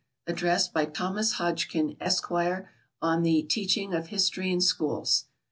Address by Thomas Hodgkin, Esq., on the "Teaching of History in Schools."